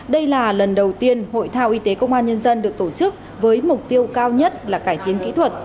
đây là lần đầu tiên hội thao y tế công an nhân dân được tổ chức với mục tiêu cao nhất là cải tiến kỹ thuật